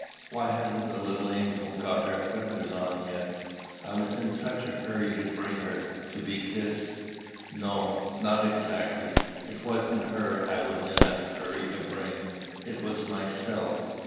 Why hasn't the little angel got her feathers on yet?" "I was in such a hurry to bring her." "To be kissed?" "No, not exactly. It wasn't her I was in a hurry to bring; it was myself."